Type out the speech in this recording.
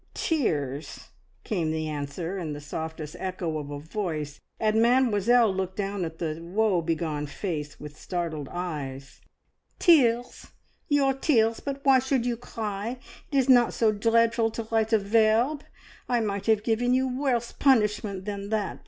"T tears!" came the answer in the softest echo of a voice, and Mademoiselle looked down at the woe begone face with startled eyes. "Tears! Your tears! But why should you cry? It is not so dreadful to write a verrrb. I might have given you worse punishment than that.